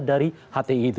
dari hti itu